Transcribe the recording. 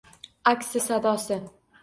Aksi sadosi.